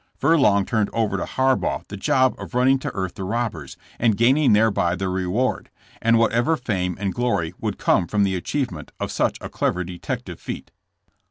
Furlong turned over to Harbaugh the job of running to earth the robbers, and gaining thereby the reward, and whatever fame and glory would come from the achievement of such a clever detective feat.